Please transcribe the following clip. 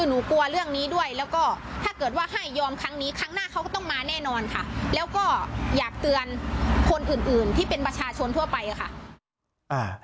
แน่นอนค่ะแล้วก็อยากเตือนคนอื่นอื่นที่เป็นประชาชนทั่วไปค่ะ